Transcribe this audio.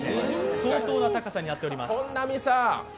相当な高さになっております。